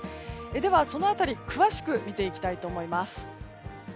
では、その辺り詳しく見ていきたいと思います。